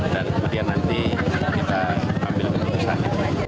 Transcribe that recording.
dan kemudian nanti kita ambil keputusan